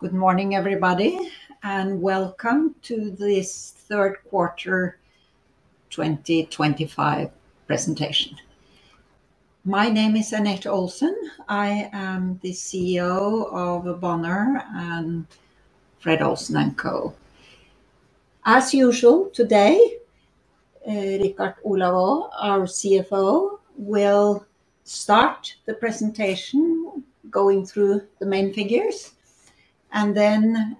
Good morning, everybody, and welcome to this third quarter 2025 presentation. My name is Anette Olsen. I am the CEO of Bonheur and Fred. Olsen & Co. As usual, today, Richard Olav Aa, our CFO, will start the presentation going through the main figures, and then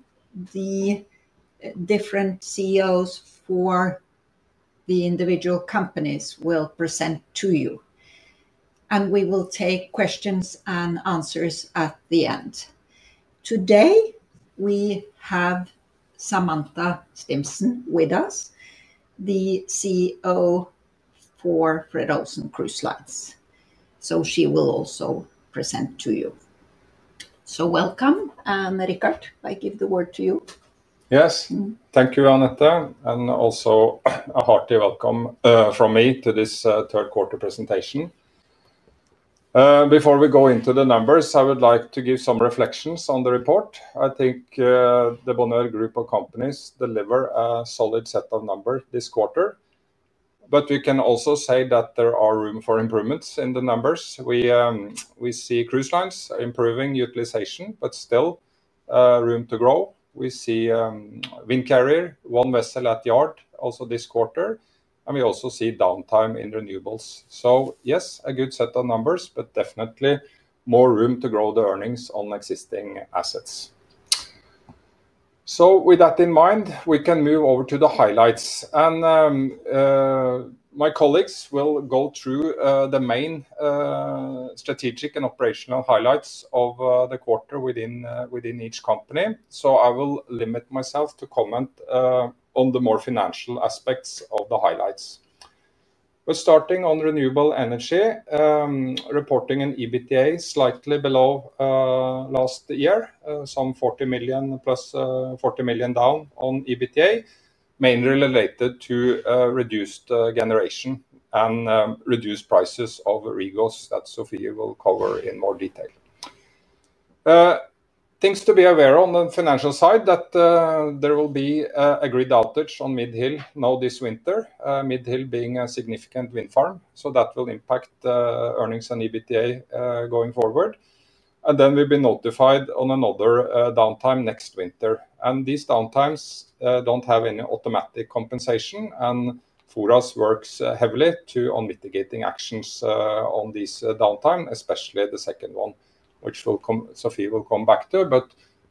the different CEOs for the individual companies will present to you. We will take questions and answers at the end. Today, we have Samantha Stimpson with us, the CEO for Fred. Olsen Cruise Lines. She will also present to you. Welcome, Richard. I give the word to you. Yes, thank you, Anette, and also a hearty welcome from me to this third quarter presentation. Before we go into the numbers, I would like to give some reflections on the report. I think the Bonheur Group of Companies delivered a solid set of numbers this quarter. There are room for improvements in the numbers. We see cruise lines improving utilization, but still room to grow. We see a wind carrier, one vessel at yard also this quarter. We also see downtime in renewables. Yes, a good set of numbers, but definitely more room to grow the earnings on existing assets. With that in mind, we can move over to the highlights. My colleagues will go through the main strategic and operational highlights of the quarter within each company. I will limit myself to comment on the more financial aspects of the highlights. We're starting on renewable energy, reporting an EBITDA slightly below last year, some 40 million, +40 million down on EBITDA, mainly related to reduced generation and reduced prices of regals that Sophie will cover in more detail. Things to be aware of on the financial side are that there will be an agreed outage on Mid Hill now this winter, Mid Hill being a significant wind farm. That will impact earnings and EBITDA going forward. We will be notified of another downtime next winter. These downtimes don't have any automatic compensation. FORAS works heavily on mitigating actions on these downtimes, especially the second one, which Sophie will come back to.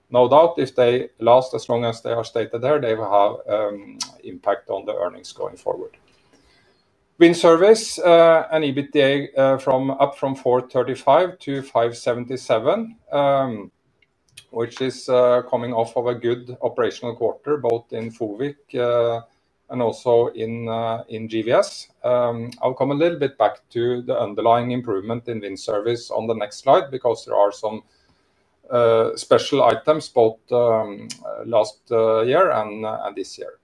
No doubt, if they last as long as they are stated there, they will have an impact on the earnings going forward. Wind service and EBITDA from 435 million to 577 million, which is coming off of a good operational quarter both in FOWIC and also in GWS. I'll come a little bit back to the underlying improvement in wind service on the next slide because there are some special items both last year and this year.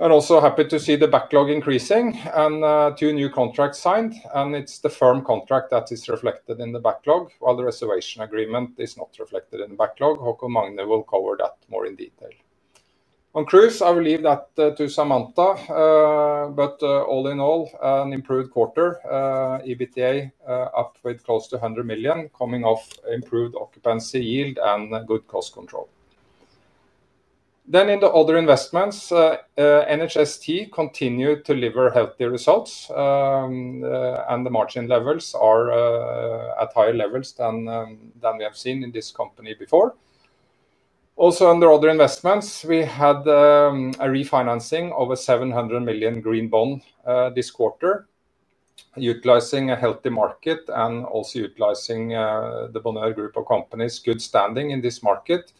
I'm also happy to see the backlog increasing and two new contracts signed. It's the firm contract that is reflected in the backlog, while the reservation agreement is not reflected in the backlog. Haakon Magne will cover that more in detail. On cruise, I will leave that to Samantha. All in all, an improved quarter, EBITDA up with close to 100 million coming off improved occupancy yield and good cost control. In the other investments, NHST continued to deliver healthy results. The margin levels are at higher levels than we have seen in this company before. Also, under other investments, we had a refinancing of a 700 million green bond this quarter, utilizing a healthy market and also utilizing the Bonheur Group of Companies' good standing in this market.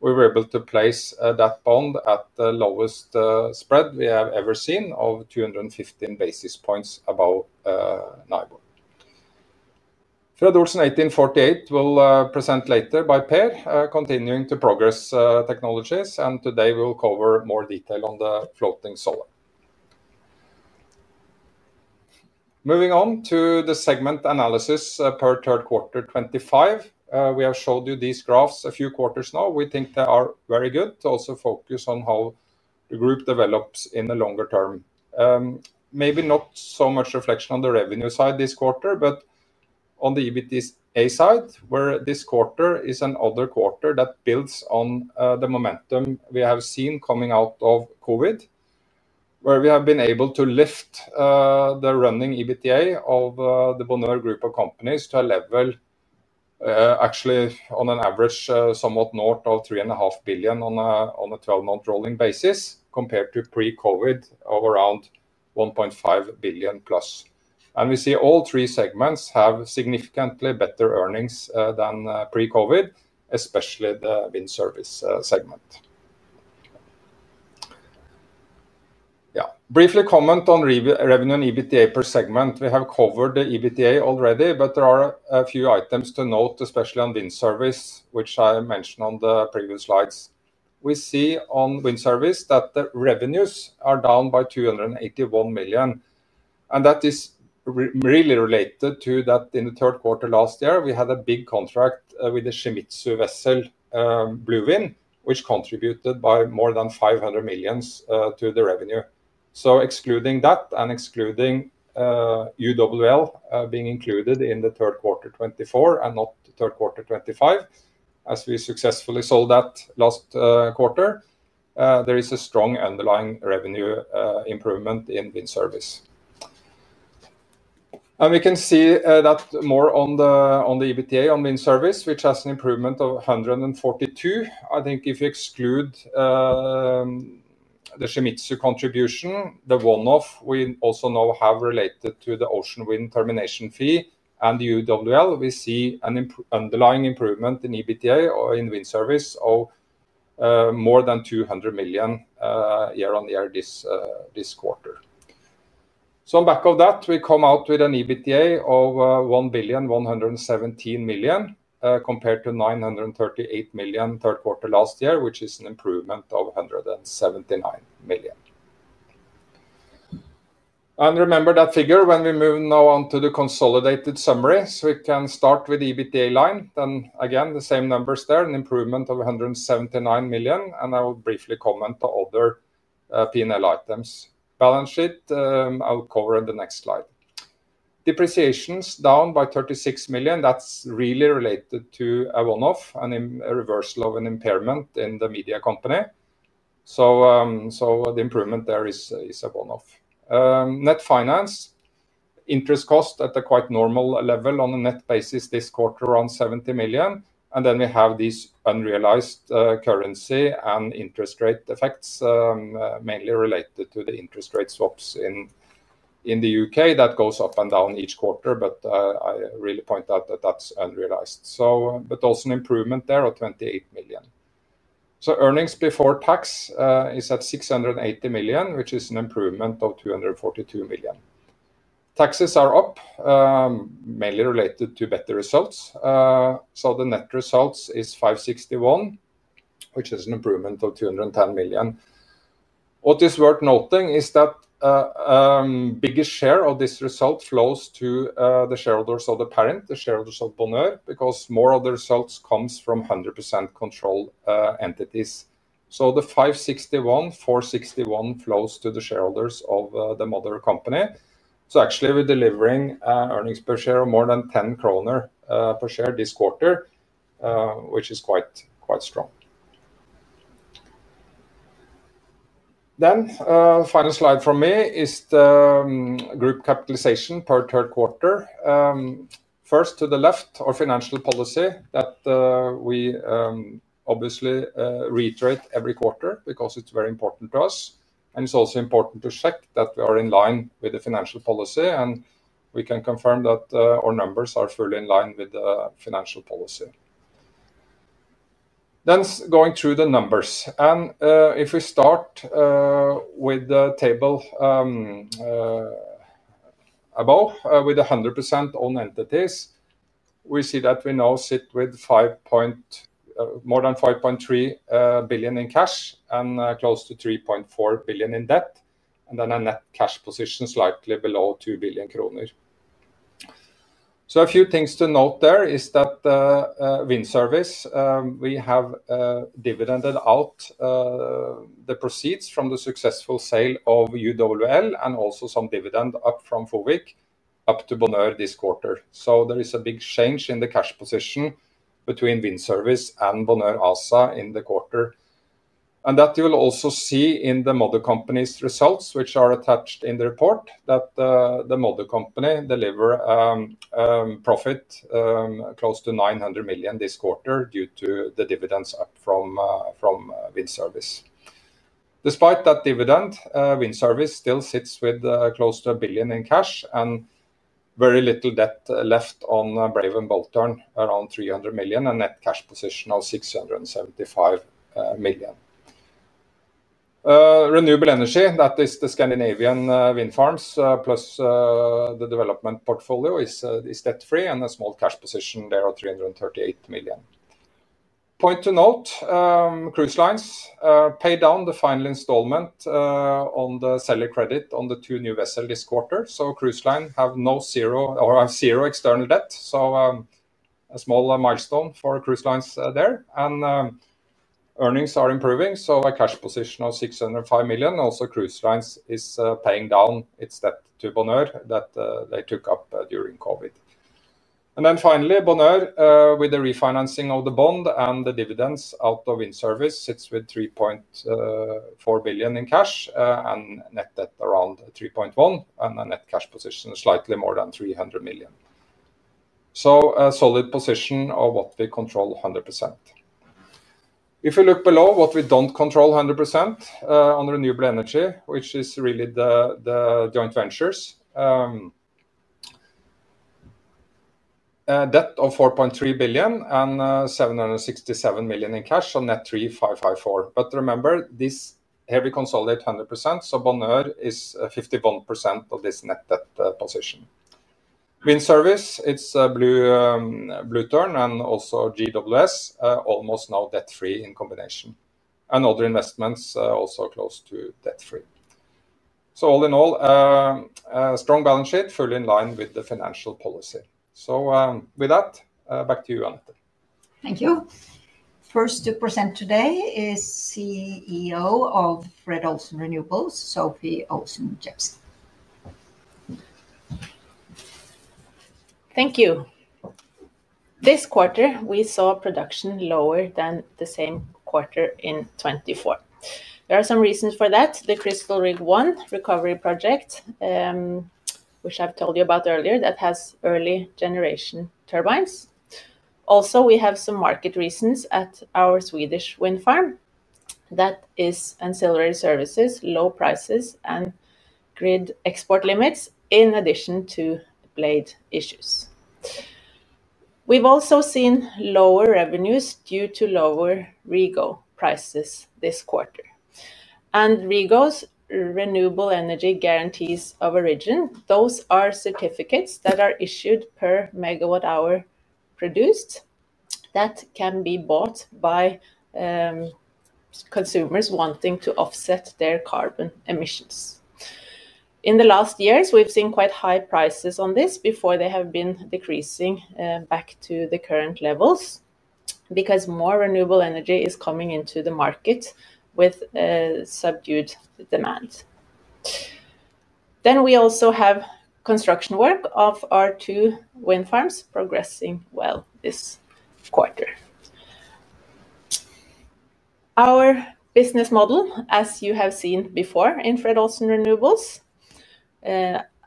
We were able to place that bond at the lowest spread we have ever seen of 215 basis points above NIBOR. Fred. Olsen 1848 will present later by Per, continuing to progress technologies. Today, we'll cover more detail on the floating solar. Moving on to the segment analysis per third quarter 2025, we have showed you these graphs a few quarters now. We think they are very good to also focus on how the group develops in the longer term. Maybe not so much reflection on the revenue side this quarter, but on the EBITDA side, where this quarter is another quarter that builds on the momentum we have seen coming out of COVID, where we have been able to lift the running EBITDA of the Bonheur Group of Companies to a level actually on an average somewhat north of 3.5 billion on a 12-month rolling basis compared to pre-COVID of around 1.5 billion+. We see all three segments have significantly better earnings than pre-COVID, especially the wind service segment. Briefly, comment on revenue and EBITDA per segment. We have covered the EBITDA already, but there are a few items to note, especially on wind service, which I mentioned on the previous slides. We see on wind service that the revenues are down by 281 million. That is really related to that in the third quarter last year, we had a big contract with the Shimizu vessel, Blue Wind, which contributed by more than 500 million to the revenue. Excluding that and excluding UWL being included in the third quarter 2024 and not third quarter 2025, as we successfully sold that last quarter, there is a strong underlying revenue improvement in wind service. We can see that more on the EBITDA on wind service, which has an improvement of 142 million. I think if you exclude the Shimizu contribution, the one-off we also now have related to the Ocean Wind termination fee and UWL, we see an underlying improvement in EBITDA in wind service of more than 200 million year-on-year this quarter. On back of that, we come out with an EBITDA of 1,117 million compared to 938 million third quarter last year, which is an improvement of 179 million. Remember that figure when we move now on to the consolidated summary. We can start with the EBITDA line. The same numbers there, an improvement of 179 million. I will briefly comment on other P&L items. Balance sheet, I'll cover in the next slide. Depreciations down by 36 million. That's really related to a one-off and a reversal of an impairment in the media company. The improvement there is a one-off. Net finance, interest cost at a quite normal level on a net basis this quarter, around 70 million. We have these unrealized currency and interest rate effects, mainly related to the interest rate swaps in the U.K. that go up and down each quarter. I really point out that that's unrealized. Also, an improvement there of 28 million. Earnings before tax is at 680 million, which is an improvement of 242 million. Taxes are up, mainly related to better results. The net result is 561 million, which is an improvement of 210 million. What is worth noting is that the biggest share of this result flows to the shareholders of the parent, the shareholders of Bonheur, because more of the results come from 100% control entities. Of the 561 million, 461 million flows to the shareholders of the mother company. We're delivering earnings per share of more than 10 kroner per share this quarter, which is quite strong. The final slide from me is the group capitalization per third quarter. First, to the left, our financial policy that we obviously reiterate every quarter because it's very important to us. It's also important to check that we are in line with the financial policy. We can confirm that our numbers are fully in line with the financial policy. Going through the numbers, if we start with the table above, with 100% owned entities, we see that we now sit with more than 5.3 billion in cash and close to 3.4 billion in debt, and then a net cash position slightly below 2 billion kroner. A few things to note there is that Wind Service, we have dividended out the proceeds from the successful sale of UWL and also some dividend up from FOWIC up to Bonheur this quarter. There is a big change in the cash position between Wind Service and Bonheur ASA in the quarter. You will also see in the mother company's results, which are attached in the report, that the mother company delivered a profit close to 900 million this quarter due to the dividends up from Wind Service. Despite that dividend, Wind Service still sits with close to 1 billion in cash and very little debt left on Brave and Bold Tern, around 300 million, and a net cash position of 675 million. Renewable Energy, that is the Scandinavian wind farms plus the development portfolio, is debt-free and a small cash position there of 338 million. Point to note, Cruise Lines paid down the final installment on the seller credit on the two new vessels this quarter. Cruise Lines have zero external debt, a small milestone for Cruise Lines there, and earnings are improving. A cash position of 605 million. Cruise Lines is paying down its debt to Bonheur that they took up during COVID. Finally, Bonheur, with the refinancing of the bond and the dividends out of Wind Service, sits with 3.4 billion in cash and net debt around 3.1 billion and a net cash position of slightly more than 300 million. A solid position of what we control 100%. If you look below, what we don't control 100% on Renewable Energy, which is really the joint ventures, debt of 4.3 billion and 767 million in cash, so net 3.554 billion. Remember, this here we consolidate 100%. Bonheur is 51% of this net debt position. Wind Service, it's Blue Tern and also GWS, almost now debt-free in combination. Other investments also close to debt-free. All in all, a strong balance sheet, fully in line with the financial policy. With that, back to you, Anette. Thank you. First to present today is CEO of Fred. Olsen Renewables, Sofie Olsen Jebsen. Thank you. This quarter, we saw production lower than the same quarter in 2024. There are some reasons for that. The Crystal Rig I recovery project, which I've told you about earlier, has early generation turbines. We also have some market reasons at our Swedish wind farm. That is ancillary services, low prices, and grid export limits, in addition to blade issues. We've also seen lower revenues due to lower REGOs prices this quarter. REGOs, renewable energy guarantees of origin, are certificates that are issued per megawatt-hour produced that can be bought by consumers wanting to offset their carbon emissions. In the last years, we've seen quite high prices on this before they have been decreasing back to the current levels because more renewable energy is coming into the market with subdued demand. We also have construction work of our two wind farms progressing well this quarter. Our business model, as you have seen before, in Fred. Olsen Renewables,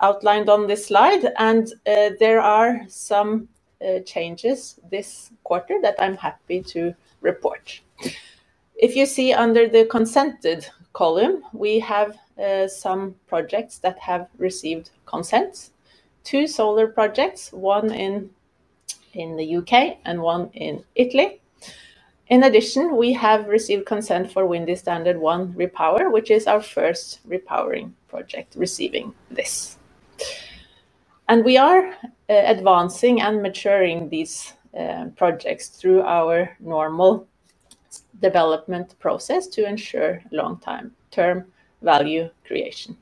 outlined on this slide. There are some changes this quarter that I'm happy to report. If you see under the consented column, we have some projects that have received consent: two solar projects, one in the U.K. and one in Italy. In addition, we have received consent for Windy Standard I Repower, which is our first repowering project receiving this. We are advancing and maturing these projects through our normal development process to ensure long-term value creation.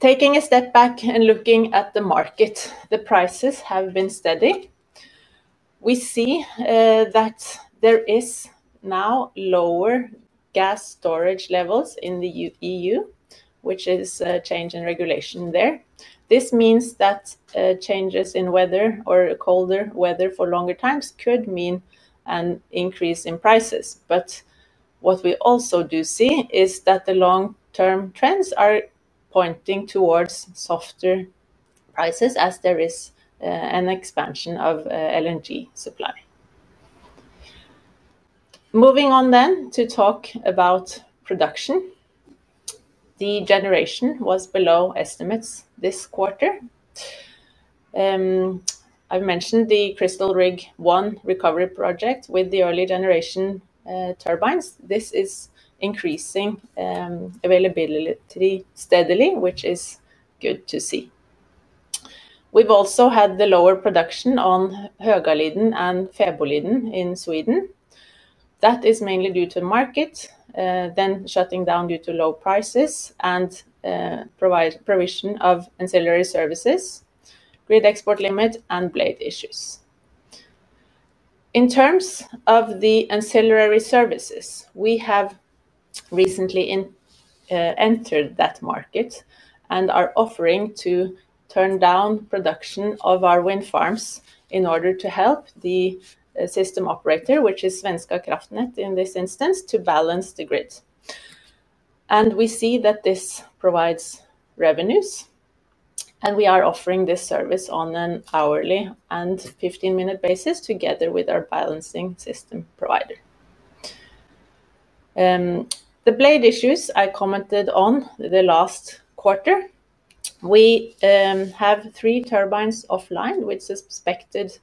Taking a step back and looking at the market, the prices have been steady. We see that there are now lower gas storage levels in the EU, which is a change in regulation there. This means that changes in weather or colder weather for longer times could mean an increase in prices. What we also do see is that the long-term trends are pointing towards softer prices as there is an expansion of LNG supply. Moving on to talk about production. The generation was below estimates this quarter. I've mentioned the Crystal Rig I recovery project with the early generation turbines. This is increasing availability steadily, which is good to see. We've also had the lower production on Högaliden and Furuliden in Sweden. That is mainly due to the market, then shutting down due to low prices and provision of ancillary services, grid export limit, and blade issues. In terms of the ancillary services, we have recently entered that market and are offering to turn down production of our wind farms in order to help the system operator, which is Svenska Kraftnät in this instance, to balance the grid. We see that this provides revenues. We are offering this service on an hourly and 15-minute basis together with our balancing system provider. The blade issues I commented on the last quarter, we have three turbines offline with suspected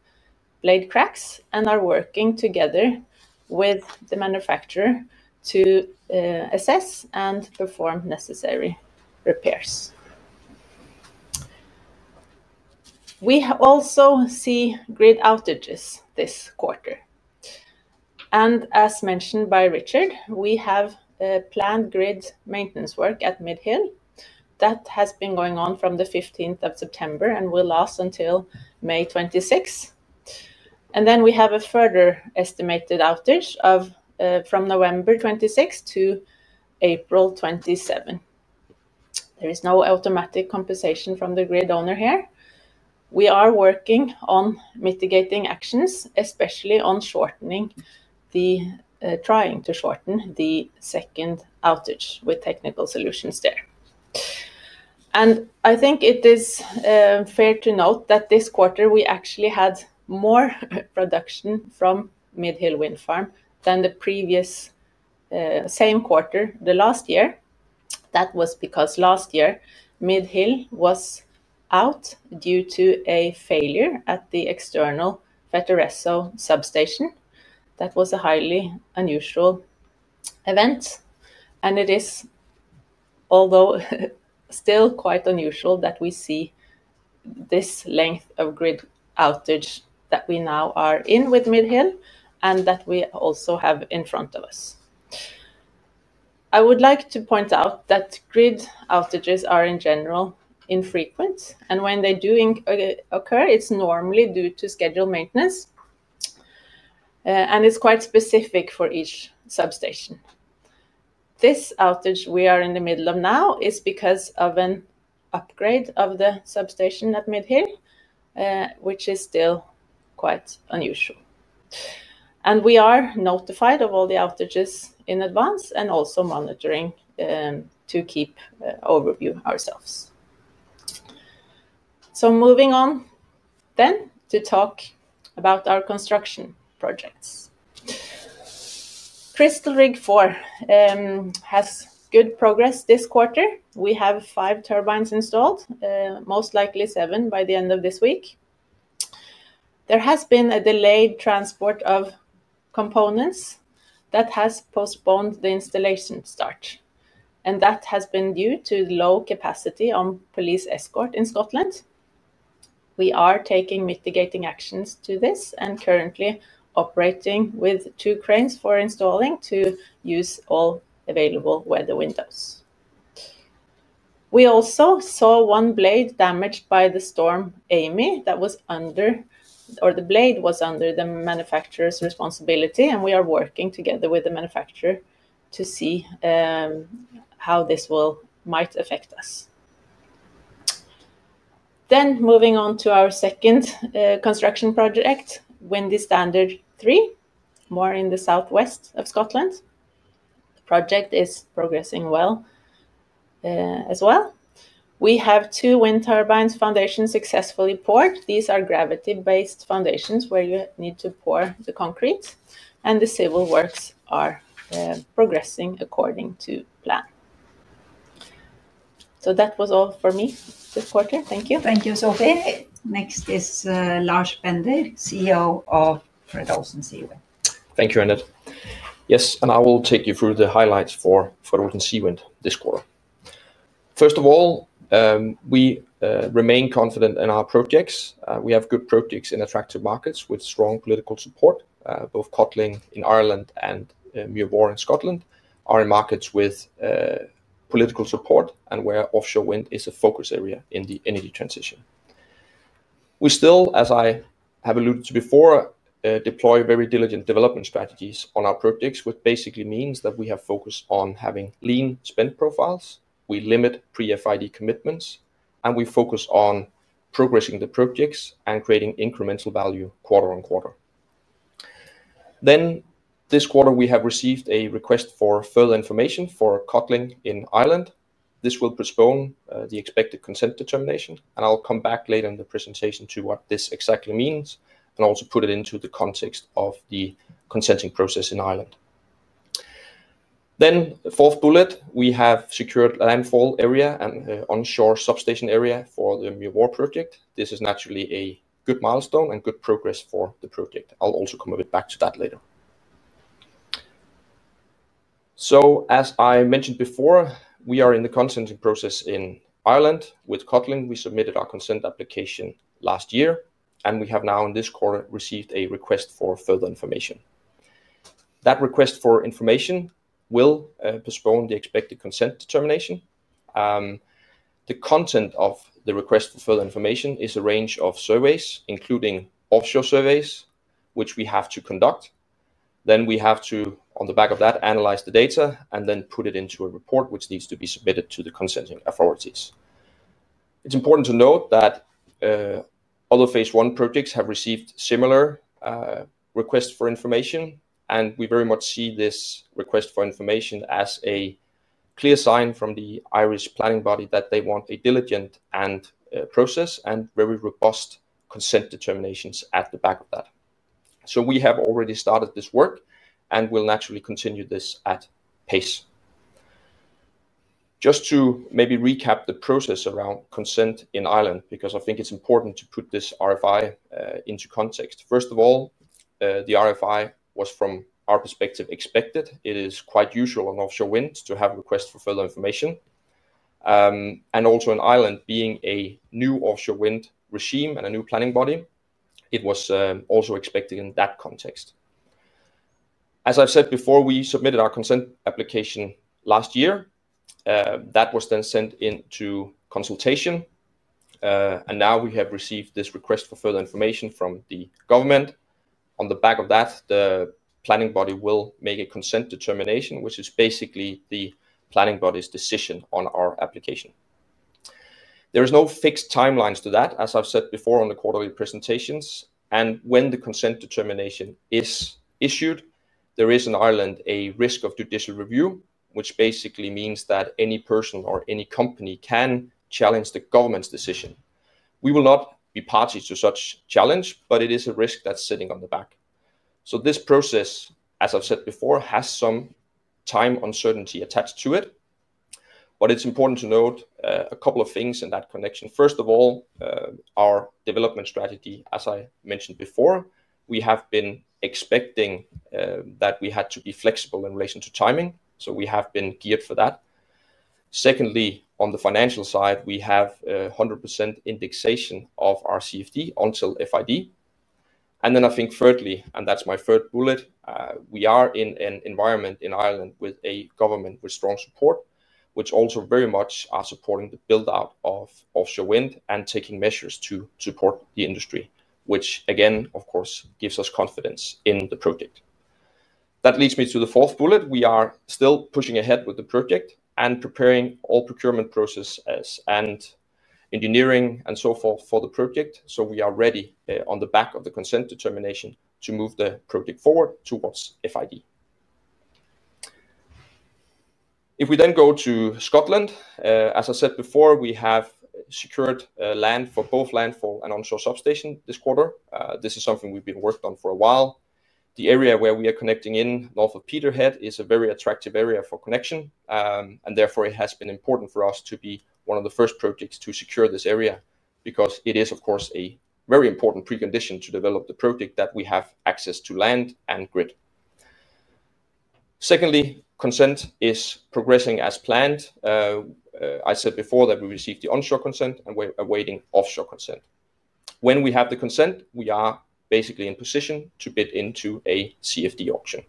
blade cracks and are working together with the manufacturer to assess and perform necessary repairs. We also see grid outages this quarter. As mentioned by Richard, we have planned grid maintenance work at Mid Hill that has been going on from 15th of September and will last until May 2026. We have a further estimated outage from November 2026 to April 2027. There is no automatic compensation from the grid owner here. We are working on mitigating actions, especially on trying to shorten the second outage with technical solutions there. I think it is fair to note that this quarter, we actually had more production from Mid Hill wind farm than the previous same quarter last year. That was because last year, Mid Hill was out due to a failure at the external Fetteresso substation. That was a highly unusual event. It is, although still quite unusual, that we see this length of grid outage that we now are in with Mid Hill and that we also have in front of us. I would like to point out that grid outages are in general infrequent. When they do occur, it's normally due to scheduled maintenance. It's quite specific for each substation. This outage we are in the middle of now is because of an upgrade of the substation at Mid Hill, which is still quite unusual. We are notified of all the outages in advance and also monitoring to keep an overview ourselves. Moving on to talk about our construction projects, Crystal Rig IV has good progress this quarter. We have five turbines installed, most likely seven by the end of this week. There has been a delayed transport of components that has postponed the installation start. That has been due to low capacity on police escort in Scotland. We are taking mitigating actions to this and currently operating with two cranes for installing to use all available weather windows. We also saw one blade damaged by the storm, Amy, that was under or the blade was under the manufacturer's responsibility. We are working together with the manufacturer to see how this might affect us. Moving on to our second construction project, Windy Standard III, more in the southwest of Scotland, the project is progressing well as well. We have two wind turbine foundations successfully poured. These are gravity-based foundations where you need to pour the concrete, and the civil works are progressing according to plan. That was all for me this quarter. Thank you. Thank you, Sofie. Next is Lars Bender, CEO of Fred. Olsen Seawind. Thank you, Anette. Yes, I will take you through the highlights for Fred. Olsen Seawind this quarter. First of all, we remain confident in our projects. We have good projects in attractive markets with strong political support. Both Codling in Ireland and Mirror in Scotland are in markets with political support and where offshore wind is a focus area in the energy transition. We still, as I have alluded to before, deploy very diligent development strategies on our projects, which basically means that we have focused on having lean spend profiles. We limit pre-FID commitments. We focus on progressing the projects and creating incremental value quarter-on-quarter. This quarter, we have received a request for further information for Codling in Ireland. This will postpone the expected consent determination. I'll come back later in the presentation to what this exactly means and also put it into the context of the consenting process in Ireland. The fourth bullet, we have secured landfall area and onshore substation area for the Mirror project. This is naturally a good milestone and good progress for the project. I'll also come a bit back to that later. As I mentioned before, we are in the consenting process in Ireland. With Codling, we submitted our consent application last year. We have now in this quarter received a request for further information. That request for information will postpone the expected consent determination. The content of the request for further information is a range of surveys, including offshore surveys, which we have to conduct. We have to, on the back of that, analyze the data and then put it into a report, which needs to be submitted to the consenting authorities. It's important to note that other phase I projects have received similar requests for information. We very much see this request for information as a clear sign from the Irish planning body that they want a diligent process and very robust consent determinations at the back of that. We have already started this work and will naturally continue this at pace. Just to maybe recap the process around consent in Ireland, because I think it's important to put this RFI into context. First of all, the RFI was, from our perspective, expected. It is quite usual on offshore wind to have a request for further information. Also in Ireland, being a new offshore wind regime and a new planning body, it was also expected in that context. As I've said before, we submitted our consent application last year. That was then sent into consultation. Now we have received this request for further information from the government. On the back of that, the planning body will make a consent determination, which is basically the planning body's decision on our application. There are no fixed timelines to that, as I've said before on the quarterly presentations. When the consent determination is issued, there is in Ireland a risk of judicial review, which basically means that any person or any company can challenge the government's decision. We will not be parties to such challenge, but it is a risk that's sitting on the back. This process, as I've said before, has some time uncertainty attached to it. It's important to note a couple of things in that connection. First of all, our development strategy, as I mentioned before, we have been expecting that we had to be flexible in relation to timing. We have been geared for that. Secondly, on the financial side, we have 100% indexation of our CFD until FID. I think thirdly, and that's my third bullet, we are in an environment in Ireland with a government with strong support, which also very much is supporting the build-out of offshore wind and taking measures to support the industry, which again, of course, gives us confidence in the project. That leads me to the fourth bullet. We are still pushing ahead with the project and preparing all procurement processes and engineering and so forth for the project. We are ready on the back of the consent determination to move the project forward towards FID. If we then go to Scotland, as I said before, we have secured land for both landfall and onshore substation this quarter. This is something we've been working on for a while. The area where we are connecting in north of Peterhead is a very attractive area for connection. Therefore, it has been important for us to be one of the first projects to secure this area because it is, of course, a very important precondition to develop the project that we have access to land and grid. Secondly, consent is progressing as planned. I said before that we received the onshore consent and we're awaiting offshore consent. When we have the consent, we are basically in position to bid into a CFD auction.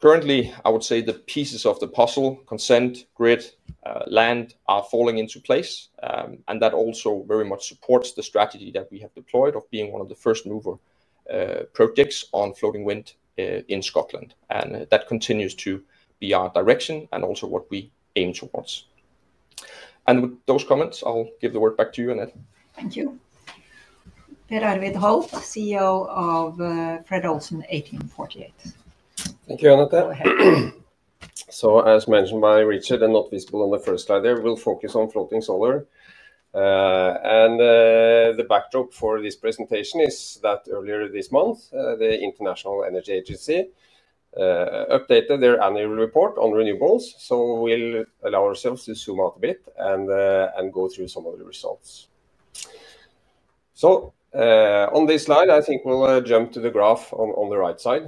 Currently, I would say the pieces of the puzzle, consent, grid, land, are falling into place. That also very much supports the strategy that we have deployed of being one of the first mover projects on floating wind in Scotland. That continues to be our direction and also what we aim towards. With those comments, I'll give the word back to you, Anette. Thank you. Per Arvid Holth, CEO of Fred. Olsen 1848. Thank you, Anette. As mentioned by Richard and not visible on the first slide there, we'll focus on floating solar. The backdrop for this presentation is that earlier this month, the International Energy Agency updated their annual report on renewables. We'll allow ourselves to zoom out a bit and go through some of the results. On this slide, I think we'll jump to the graph on the right side.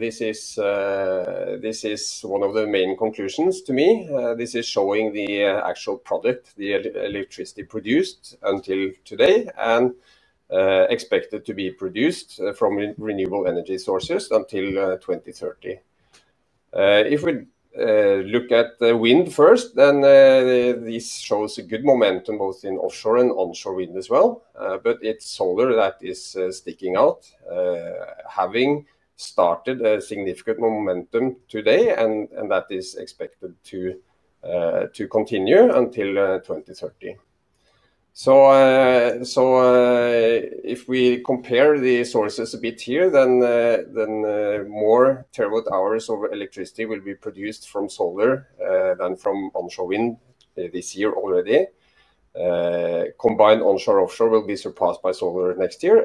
This is one of the main conclusions to me. This is showing the actual product, the electricity produced until today and expected to be produced from renewable energy sources until 2030. If we look at wind first, this shows a good momentum both in offshore and onshore wind as well. It's solar that is sticking out, having started a significant momentum today. That is expected to continue until 2030. If we compare the sources a bit here, more terawatt-hours of electricity will be produced from solar than from onshore wind this year already. Combined onshore and offshore will be surpassed by solar next year.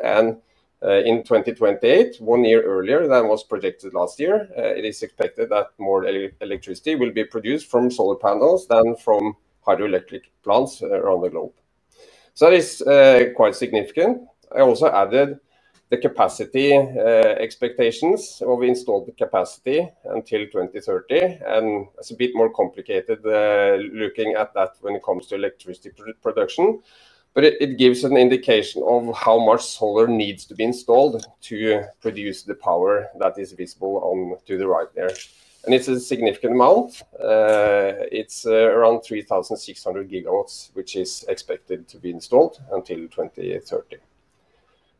In 2028, one year earlier than was projected last year, it is expected that more electricity will be produced from solar panels than from hydroelectric plants around the globe. That is quite significant. I also added the capacity expectations where we installed the capacity until 2030. It's a bit more complicated looking at that when it comes to electricity production, but it gives an indication of how much solar needs to be installed to produce the power that is visible on the right there. It's a significant amount. It's around 3,600 GW, which is expected to be installed until 2030.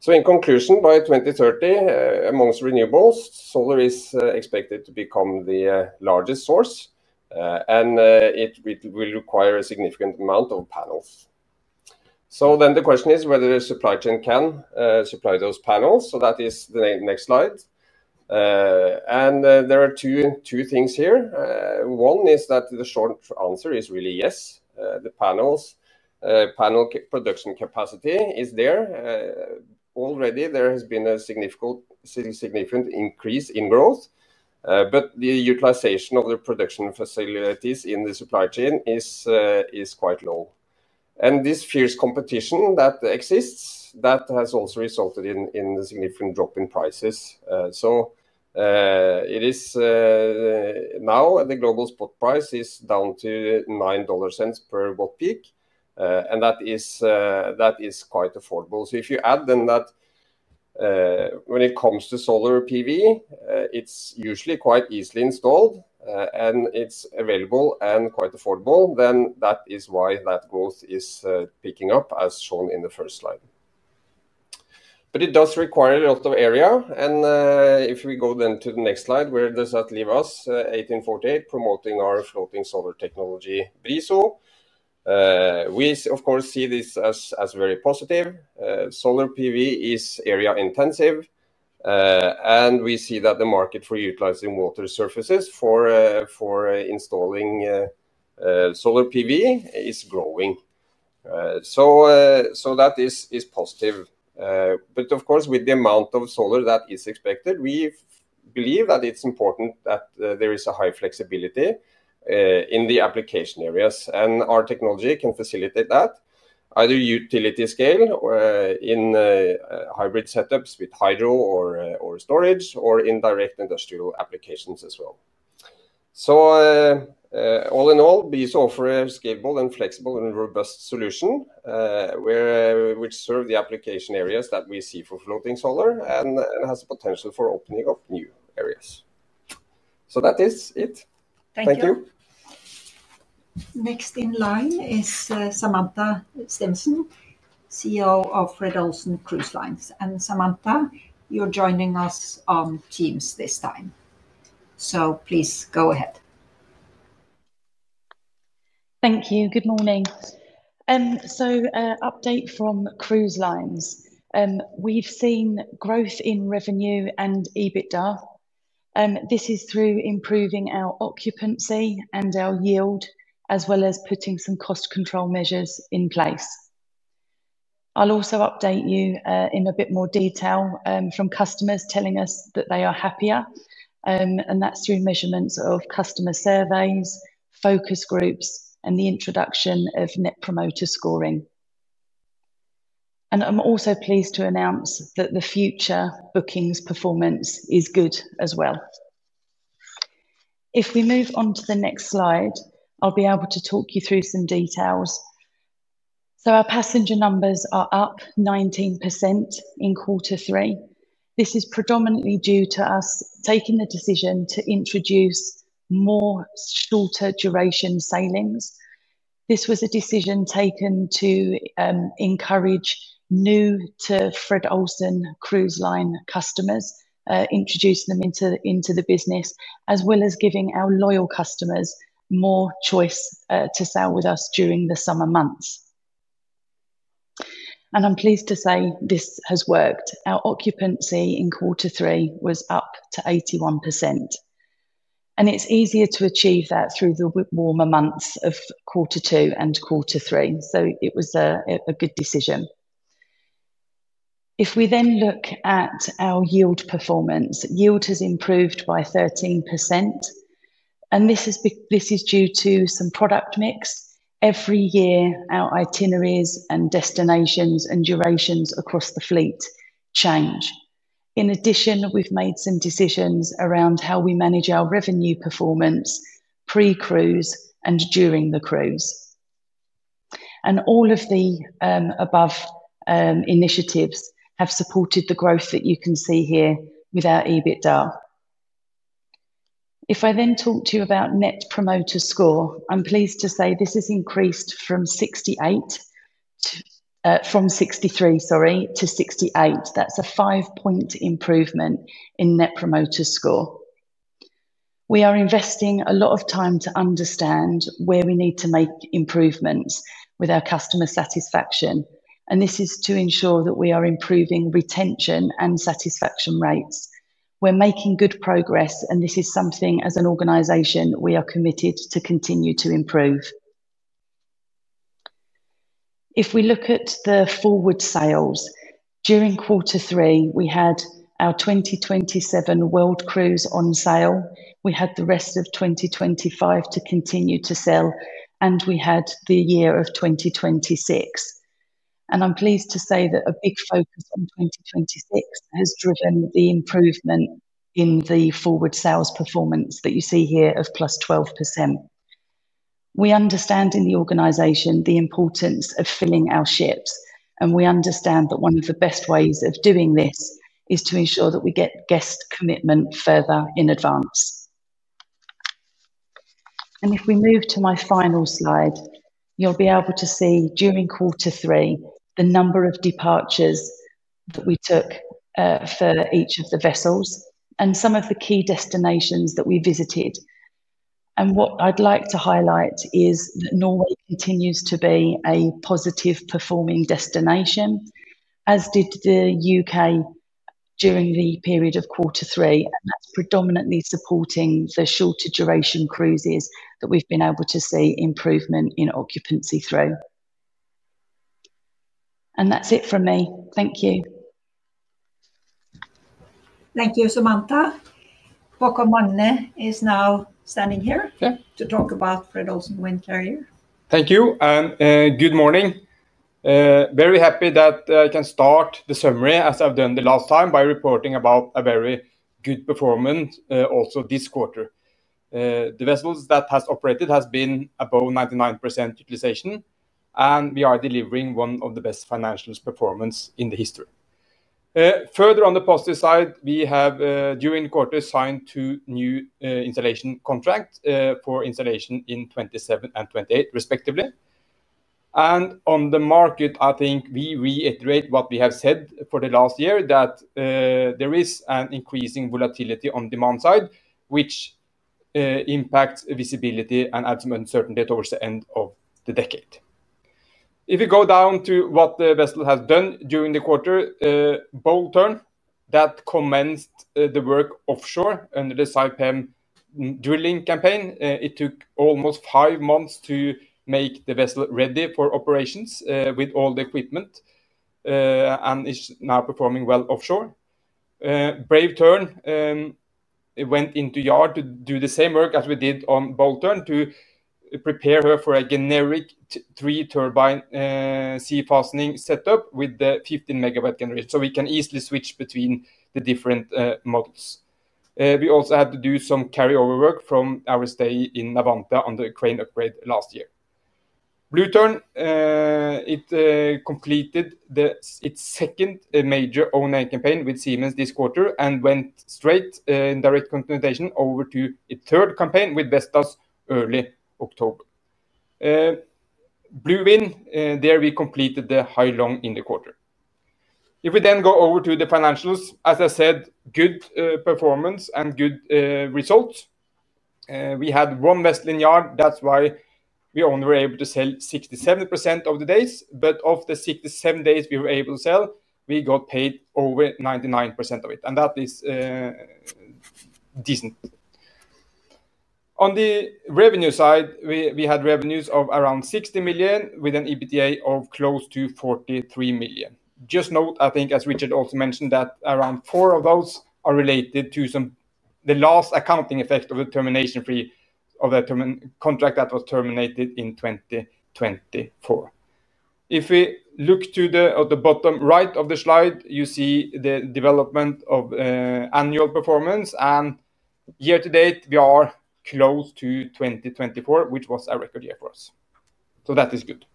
In conclusion, by 2030, amongst renewables, solar is expected to become the largest source. It will require a significant amount of panels. The question is whether the supply chain can supply those panels. That is the next slide. There are two things here. One is that the short answer is really yes. The panel production capacity is there. Already, there has been a significant increase in growth. The utilization of the production facilities in the supply chain is quite low. This fierce competition that exists has also resulted in a significant drop in prices. The global spot price is now down to $0.09 per watt peak. That is quite affordable. If you add that when it comes to solar PV, it's usually quite easily installed. It's available and quite affordable. That is why growth is picking up, as shown in the first slide. It does require a lot of area. If we go to the next slide, where does that leave us? Fred. Olsen 1848, promoting our floating solar technology, BRIZO. We, of course, see this as very positive. Solar PV is area intensive, and we see that the market for utilizing water surfaces for installing solar PV is growing. That is positive. With the amount of solar that is expected, we believe that it's important that there is a high flexibility in the application areas. Our technology can facilitate that, either utility scale in hybrid setups with hydro or storage, or in direct industrial applications as well. All in all, Briso offers a scalable, flexible, and robust solution which serves the application areas that we see for floating solar and has the potential for opening up new areas. That is it. Thank you. Next in line is Samantha Stimpson, CEO of Fred. Olsen Cruise Lines. Samantha, you're joining us on Teams this time. Please go ahead. Thank you. Good morning. An update from Cruise Lines. We've seen growth in revenue and EBITDA. This is through improving our occupancy and our yield, as well as putting some cost control measures in place. I'll also update you in a bit more detail from customers telling us that they are happier. That's through measurements of customer surveys, focus groups, and the introduction of net promoter scoring. I'm also pleased to announce that the future bookings performance is good as well. If we move on to the next slide, I'll be able to talk you through some details. Our passenger numbers are up 19% in quarter three. This is predominantly due to us taking the decision to introduce more shorter duration sailings. This was a decision taken to encourage new to Fred. Olsen Cruise Lines customers, introducing them into the business, as well as giving our loyal customers more choice to sail with us during the summer months. I'm pleased to say this has worked. Our occupancy in quarter three was up to 81%. It's easier to achieve that through the warmer months of quarter two and quarter three. It was a good decision. If we then look at our yield performance, yield has improved by 13%. This is due to some product mix. Every year, our itineraries and destinations and durations across the fleet change. In addition, we've made some decisions around how we manage our revenue performance pre-cruise and during the cruise. All of the above initiatives have supported the growth that you can see here with our EBITDA. If I then talk to you about net promoter score, I'm pleased to say this has increased from 63 to 68. That's a five-point improvement in net promoter score. We are investing a lot of time to understand where we need to make improvements with our customer satisfaction. This is to ensure that we are improving retention and satisfaction rates. We're making good progress. This is something, as an organization, we are committed to continue to improve. If we look at the forward sales, during quarter three, we had our 2027 world cruise on sale. We had the rest of 2025 to continue to sell. We had the year of 2026. I'm pleased to say that a big focus on 2026 has driven the improvement in the forward sales performance that you see here of +12%. We understand in the organization the importance of filling our ships. We understand that one of the best ways of doing this is to ensure that we get guest commitment further in advance. If we move to my final slide, you'll be able to see during quarter three the number of departures that we took for each of the vessels and some of the key destinations that we visited. What I'd like to highlight is that Norway continues to be a positive performing destination, as did the U.K. during the period of quarter three. That is predominantly supporting the shorter duration cruises that we've been able to see improvement in occupancy through. That's it from me. Thank you. Thank you, Samantha. Haakon Magne Ore is now standing here to talk about Fred. Olsen Windcarrier. Thank you. And good morning. Very happy that I can start the summary, as I've done the last time, by reporting about a very good performance also this quarter. The vessels that have operated have been above 99% utilization. We are delivering one of the best financial performances in the history. Further on the positive side, we have during the quarter signed two new installation contracts for installation in 2027 and 2028, respectively. On the market, I think we reiterate what we have said for the last year, that there is an increasing volatility on the demand side, which impacts visibility and adds some uncertainty towards the end of the decade. If we go down to what the vessel has done during the quarter, Bold Tern commenced the work offshore under the Saipem drilling campaign. It took almost five months to make the vessel ready for operations with all the equipment, and it's now performing well offshore. Brave Tern went into yard to do the same work as we did on Bold Tern to prepare her for a generic three-turbine sea fastening setup with the 15 MW generator, so we can easily switch between the different models. We also had to do some carryover work from our stay in Navantia on the crane upgrade last year. Blue Tern completed its second major online campaign with Siemens this quarter and went straight in direct continuation over to its third campaign with Vestas early October. Blue Wind, there we completed the high-long in the quarter. If we then go over to the financials, as I said, good performance and good results. We had one westerland yard. That's why we only were able to sell 67% of the days. Of the 67 days we were able to sell, we got paid over 99% of it, and that is decent. On the revenue side, we had revenues of around 60 million with an EBITDA of close to 43 million. Just note, I think, as Richard also mentioned, that around 4 million of those are related to the last accounting effect of the termination fee of the contract that was terminated in 2024. If we look to the bottom right of the slide, you see the development of annual performance. Year to date, we are close to 2024, which was a record year for us. That is good.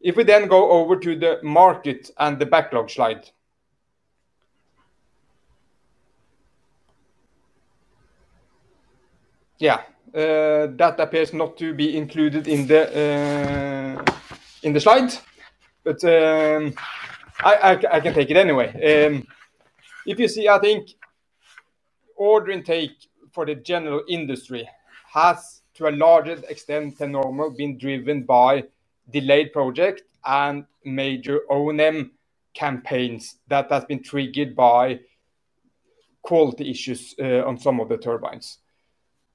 If we then go over to the market and the backlog slide, that appears not to be included in the slide, but I can take it anyway. If you see, I think order intake for the general industry has, to a larger extent than normal, been driven by delayed projects and major O&M campaigns that have been triggered by quality issues on some of the turbines.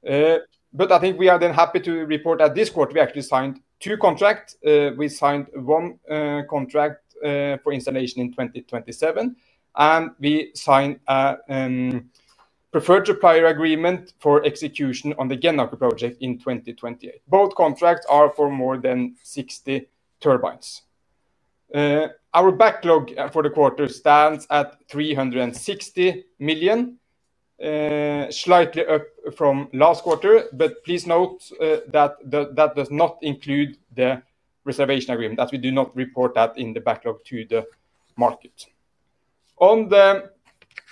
I think we are then happy to report that this quarter, we actually signed two contracts. We signed one contract for installation in 2027, and we signed a preferred supplier agreement for execution on the Gennaker project in 2028. Both contracts are for more than 60 turbines. Our backlog for the quarter stands at 360 million, slightly up from last quarter. Please note that does not include the reservation agreement. We do not report that in the backlog to the market. On the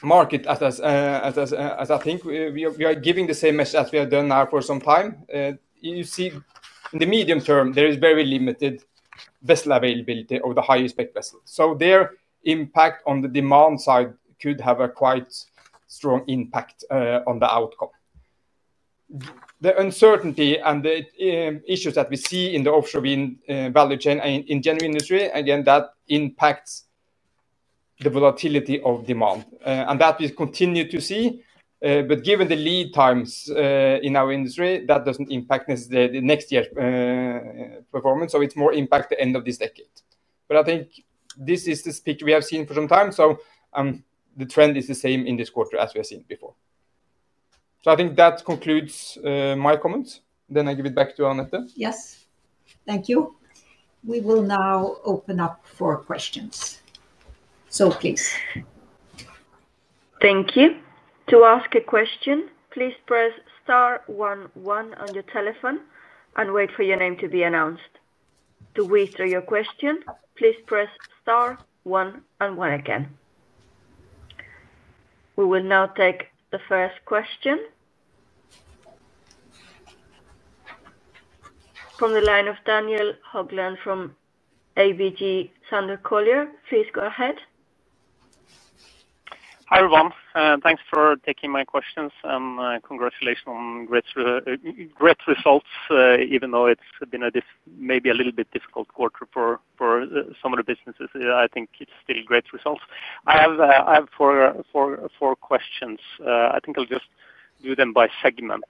market, as I think we are giving the same message as we have done now for some time, you see in the medium term, there is very limited vessel availability of the highest spec vessel. Their impact on the demand side could have a quite strong impact on the outcome. The uncertainty and the issues that we see in the offshore wind value chain in the general industry, again, that impacts the volatility of demand. That we continue to see. Given the lead times in our industry, that doesn't impact the next year's performance. It impacts more the end of this decade. I think this is the speed we have seen for some time. The trend is the same in this quarter as we have seen before. I think that concludes my comments. I give it back to Anette. Yes, thank you. We will now open up for questions. Please. Thank you. To ask a question, please press star one one on your telephone and wait for your name to be announced. To withdraw your question, please press star one one again. We will now take the first question from the line of Daniel Haugland from ABG Sundal Collier. Please go ahead. Hi everyone. Thanks for taking my questions and congratulations on great results. Even though it's been maybe a little bit difficult quarter for some of the businesses, I think it's still great results. I have four questions. I'll just do them by segment.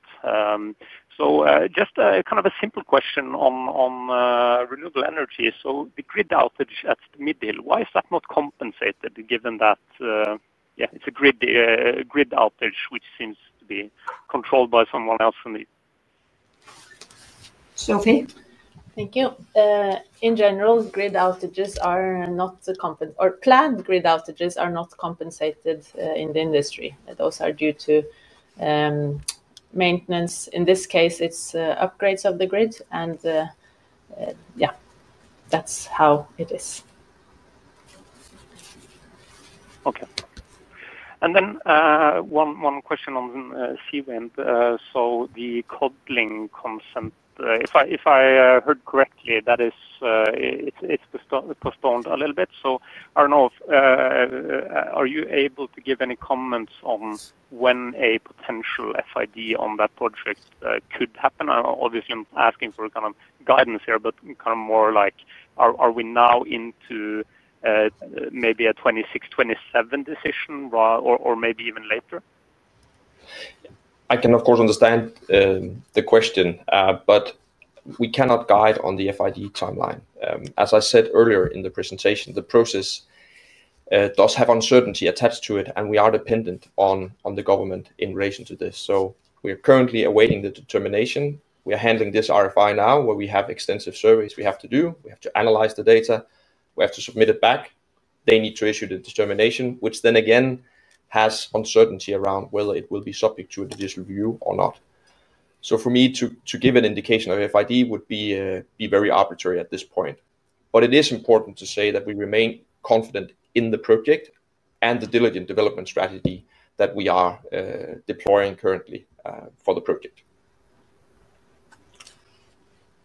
Just a kind of a simple question on renewable energy. The grid outage at the Mid Hill, why is that not compensated given that, yeah, it's a grid outage which seems to be controlled by someone else? Sofie. Thank you. In general, grid outages are not compensated, or planned grid outages are not compensated in the industry. Those are due to maintenance. In this case, it's upgrades of the grid. That's how it is. Okay. One question on Seawind. The Codling consent, if I heard correctly, is postponed a little bit. Are you able to give any comments on when a potential FID on that project could happen? Obviously, I'm asking for kind of guidance here, but more like, are we now into maybe a 2026, 2027 decision or maybe even later? I can, of course, understand the question. However, we cannot guide on the FID timeline. As I said earlier in the presentation, the process does have uncertainty attached to it. We are dependent on the government in relation to this. We are currently awaiting the determination. We are handling this RFI now where we have extensive surveys we have to do. We have to analyze the data and submit it back. They need to issue the determination, which again has uncertainty around whether it will be subject to an additional review or not. For me to give an indication of FID would be very arbitrary at this point. It is important to say that we remain confident in the project and the diligent development strategy that we are deploying currently for the project.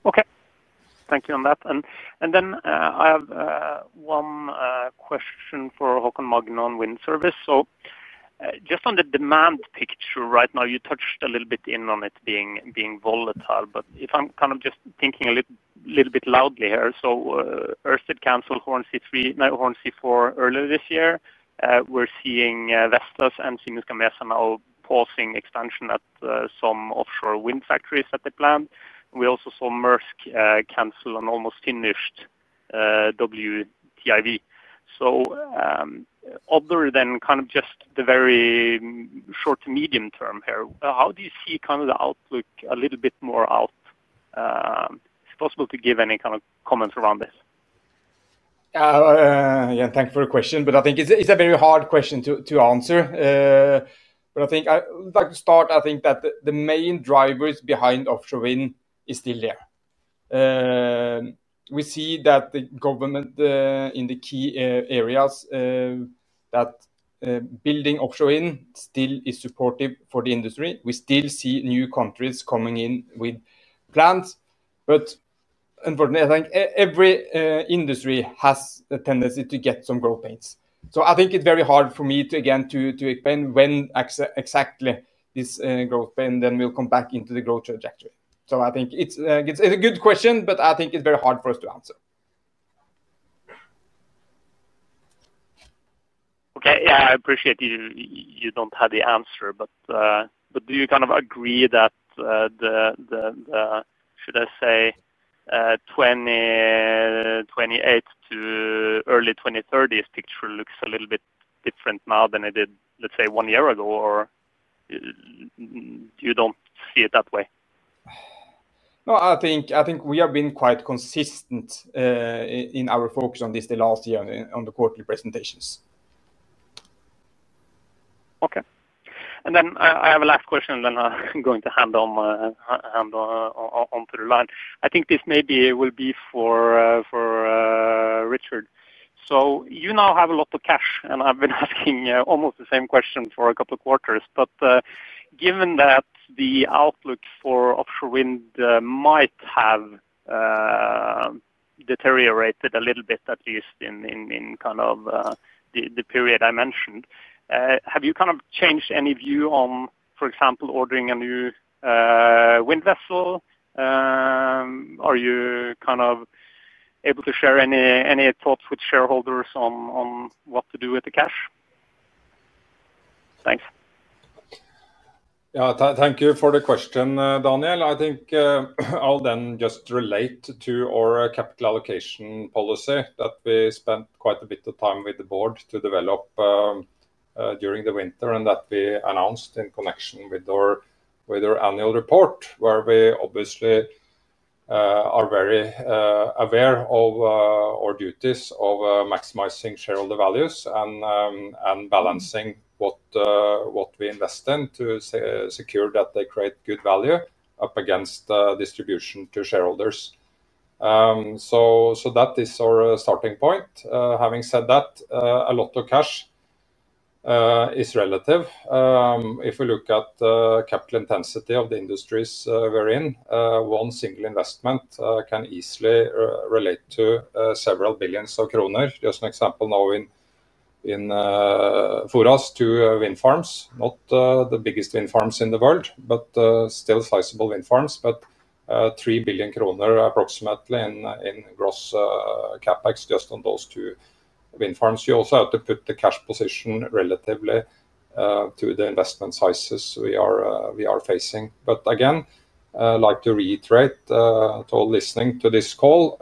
Okay. Thank you on that. I have one question for Haakon Magne on wind service. Just on the demand picture right now, you touched a little bit on it being volatile. If I'm kind of just thinking a little bit loudly here, Ørsted canceled Hornsea 3 and Hornsea 4 earlier this year. We're seeing Vestas and Siemens Gamesa now pausing expansion at some offshore wind factories that they planned. We also saw Maersk cancel an almost finished WTIV. Other than just the very short to medium term here, how do you see the outlook a little bit more out? Is it possible to give any kind of comments around this? Yeah, thanks for the question. I think it's a very hard question to answer. I'd like to start. I think that the main drivers behind offshore wind are still there. We see that the government in the key areas that are building offshore wind still is supportive for the industry. We still see new countries coming in with plans. Unfortunately, I think every industry has a tendency to get some growth pains. I think it's very hard for me to explain when exactly this growth pain will come back into the growth trajectory. I think it's a good question, but I think it's very hard for us to answer. Okay. I appreciate you don't have the answer. Do you kind of agree that, should I say, 2028 to early 2030s picture looks a little bit different now than it did, let's say, one year ago? Or do you don't see it that way? No, I think we have been quite consistent in our focus on this the last year, on the quarterly presentations. Okay. I have a last question, and then I'm going to hand on to the line. I think this maybe will be for Richard. You now have a lot of cash, and I've been asking almost the same question for a couple of quarters. Given that the outlook for offshore wind might have deteriorated a little bit, at least in kind of the period I mentioned, have you kind of changed any view on, for example, ordering a new wind vessel? Are you able to share any thoughts with shareholders on what to do with the cash? Thanks. Yeah, thank you for the question, Daniel. I think I'll then just relate to our capital allocation policy that we spent quite a bit of time with the board to develop during the winter and that we announced in connection with our annual report, where we obviously are very aware of our duties of maximizing shareholder values and balancing what we invest in to secure that they create good value up against distribution to shareholders. That is our starting point. Having said that, a lot of cash is relative. If we look at the capital intensity of the industries we're in, one single investment can easily relate to several billions of kroner. Just an example, now in Forast, two wind farms, not the biggest wind farms in the world, but still sizable wind farms, but 3 billion kroner approximately in gross CapEx just on those two wind farms. You also have to put the cash position relatively to the investment sizes we are facing. Again, I'd like to reiterate to all listening to this call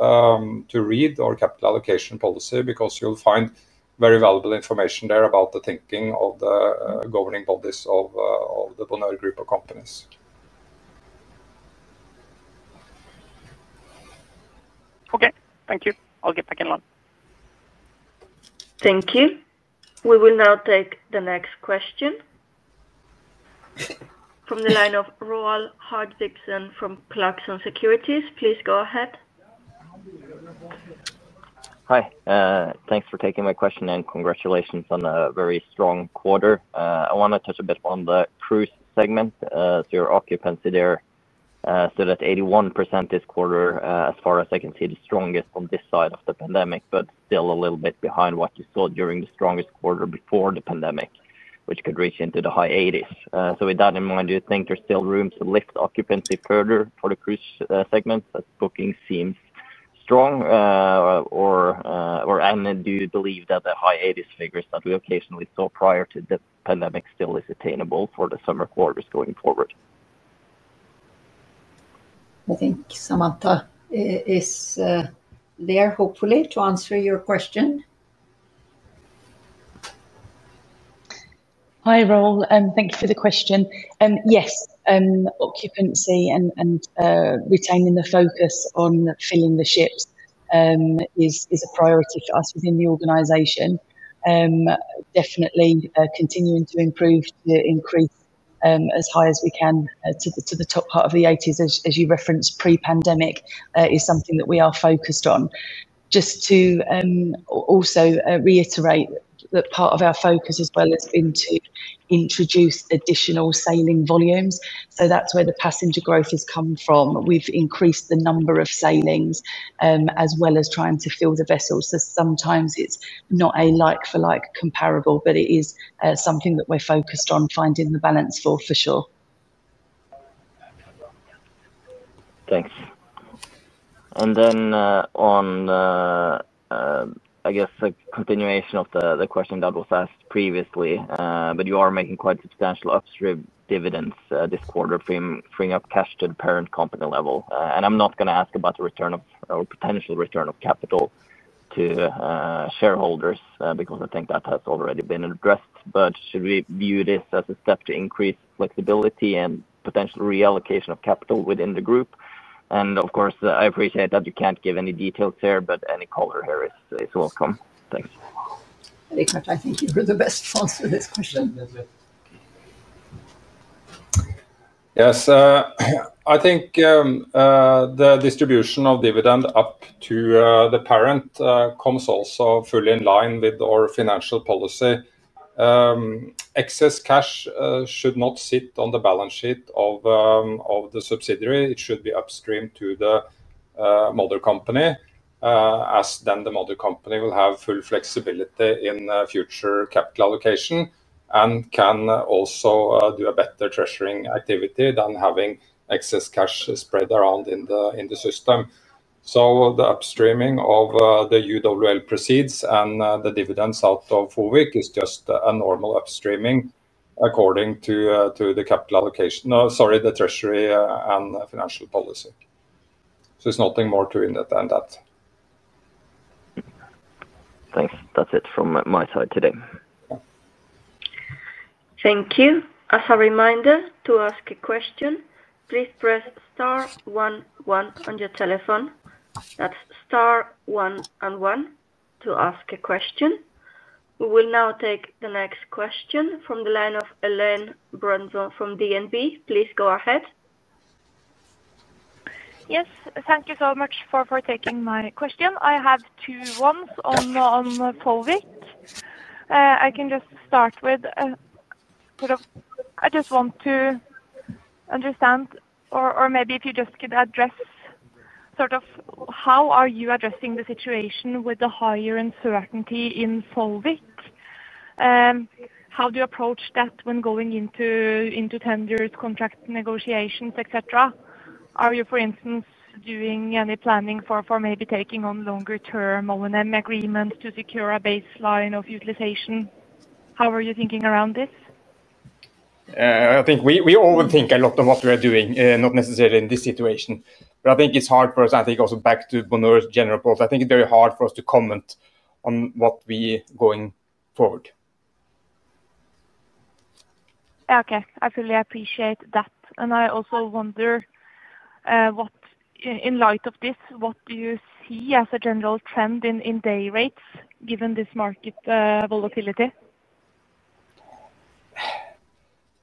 to read our capital allocation policy because you'll find very valuable information there about the thinking of the governing bodies of the Bonheur Group of Companies. Okay, thank you. I'll get back in line. Thank you. We will now take the next question from the line of Roald Hartvigsen from Clarkson Securities. Please go ahead. Hi. Thanks for taking my question. Congratulations on a very strong quarter. I want to touch a bit on the cruise segment. Your occupancy there stood at 81% this quarter. As far as I can see, the strongest on this side of the pandemic, but still a little bit behind what you saw during the strongest quarter before the pandemic, which could reach into the high 80s. With that in mind, do you think there's still room to lift occupancy further for the cruise segment as booking seems strong? Do you believe that the high 80s figures that we occasionally saw prior to the pandemic still are attainable for the summer quarters going forward? I think Samantha is there, hopefully to answer your question. Hi, Roald. Thank you for the question. Yes, occupancy and retaining the focus on filling the ships is a priority for us within the organization. Definitely continuing to improve to increase as high as we can to the top part of the 80% range, as you referenced pre-pandemic, is something that we are focused on. Just to also reiterate, part of our focus as well has been to introduce additional sailing volumes. That is where the passenger growth has come from. We've increased the number of sailings, as well as trying to fill the vessels. Sometimes it's not a like-for-like comparable, but it is something that we're focused on finding the balance for, for sure. Thanks. On the continuation of the question that was asked previously, you are making quite substantial upstream dividends this quarter, freeing up cash to the parent company level. I'm not going to ask about the return of or potential return of capital to shareholders because I think that has already been addressed. Should we view this as a step to increase flexibility and potential reallocation of capital within the group? Of course, I appreciate that you can't give any details here, but any color here is welcome. Thanks. Richard, I think you were the best to answer this question. Yes. I think the distribution of dividend up to the parent comes also fully in line with our financial policy. Excess cash should not sit on the balance sheet of the subsidiary. It should be upstream to the mother company, as then the mother company will have full flexibility in future capital allocation and can also do a better treasury activity than having excess cash spread around in the system. The upstreaming of the UWL proceeds and the dividends out of FOWIC is just a normal upstreaming according to the capital allocation, sorry, the treasury and financial policy. There's nothing more to add than that. Thanks. That's it from my side today. Thank you. As a reminder, to ask a question, please press star one one on your telephone. That's star one and one to ask a question. We will now take the next question from the line of Elaine Brunzon from DNB. Please go ahead. Yes. Thank you so much for taking my question. I have two ones on FOWIC. I just want to understand, or maybe if you could address how you are addressing the situation with the higher uncertainty in FOWIC. How do you approach that when going into tenders, contract negotiations, etc.? Are you, for instance, doing any planning for maybe taking on longer-term O&M agreements to secure a baseline of utilization? How are you thinking around this? I think we overthink a lot of what we're doing, not necessarily in this situation. I think it's hard for us. I think also back to Bonheur's general policy, I think it's very hard for us to comment on what we are going forward. Okay. I fully appreciate that. I also wonder, in light of this, what do you see as a general trend in day rates given this market volatility?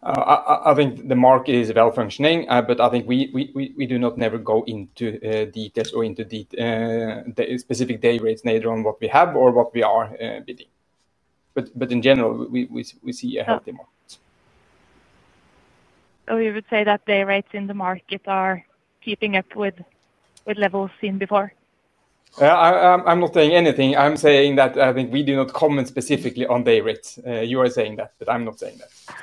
I think the market is well-functioning. I think we do not ever go into details or into specific day rates, neither on what we have or what we are bidding. In general, we see a healthy market. Would you say that day rates in the market are keeping up with levels seen before? I'm not saying anything. I think we do not comment specifically on day rates. You are saying that, but I'm not saying that.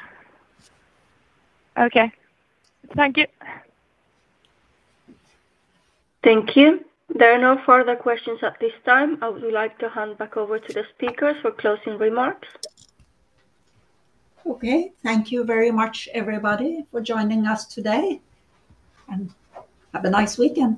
Okay, thank you. Thank you. There are no further questions at this time. I would like to hand back over to the speakers for closing remarks. Thank you very much, everybody, for joining us today. Have a nice weekend.